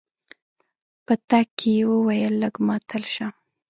په تګ کې يې وويل لږ ماتل شه.